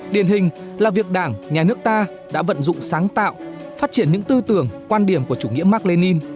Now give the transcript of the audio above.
điển hình là việc đảng nhà nước ta đã vận dụng sáng tạo phát triển những tư tưởng quan điểm của chủ nghĩa mark lenin